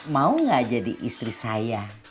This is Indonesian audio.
mau gak jadi istri saya